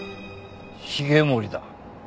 繁森だ。